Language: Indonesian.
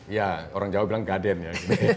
iya orang jawa bilang gaden ya